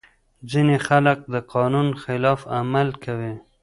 ځينې خلګ د قانون خلاف عمل کوي.